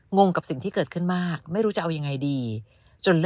งงกับสิ่งที่เกิดขึ้นมากไม่รู้จะเอายังไงดีจน